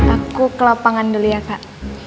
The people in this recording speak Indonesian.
aku ke lapangan dulu ya kak